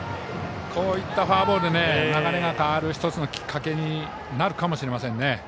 こうしたフォアボールが流れが変わる１つのきっかけになるかもしれませんね。